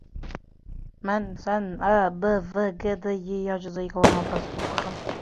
Na ko’rdi